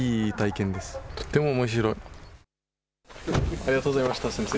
ありがとうございました、先生。